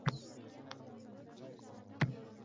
Bundan mamnunligini hatto yashirmadi.